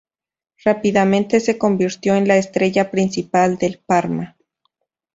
Rápidamente se convirtió en la estrella principal del Parma.